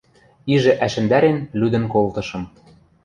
Ижӹ ӓшӹндӓрен лӱдӹн колтышым.